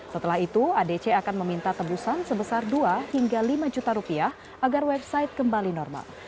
setelah itu adc akan meminta tebusan sebesar dua hingga lima juta rupiah agar website kembali normal